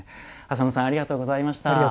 浅野さんありがとうございました。